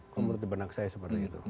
menurut benar saya seperti itu